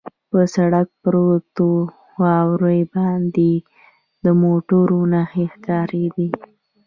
پر سړک پرتو واورو باندې د موټرو نښې ښکارېدې.